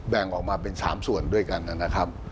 แบ่งออกมาเป็น๓ส่วนด้วยกันนะครับ